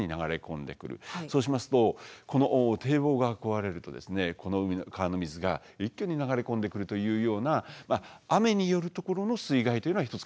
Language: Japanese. そうしますとこの堤防が壊れるとこの川の水が一挙に流れ込んでくるというような雨によるところの水害というのは一つ考えなきゃいけないわけですね。